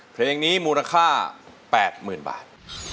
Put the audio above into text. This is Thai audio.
เพลงนีู้น้าค่า๘๐๐๐๐บาท